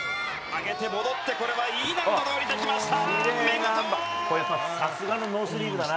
上げて戻って、これはＥ難度で降りてきました。